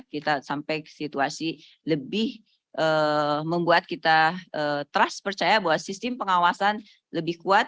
kita sampai situasi lebih membuat kita trust percaya bahwa sistem pengawasan lebih kuat